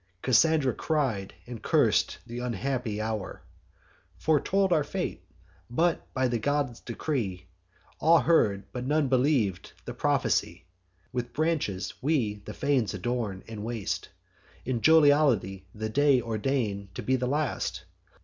Cassandra cried, and curs'd th' unhappy hour; Foretold our fate; but, by the god's decree, All heard, and none believ'd the prophecy. With branches we the fanes adorn, and waste, In jollity, the day ordain'd to be the last.